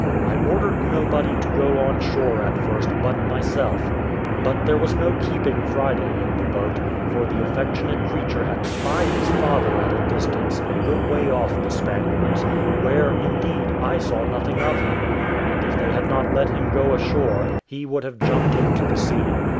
I ordered nobody to go on shore at first but myself; but there was no keeping Friday in the boat, for the affectionate creature had spied his father at a distance, a good way off the Spaniards, where, indeed, I saw nothing of him; and if they had not let him go ashore, he would have jumped into the sea.